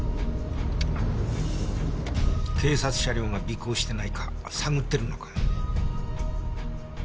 警察車両が尾行してないか探ってるのかも。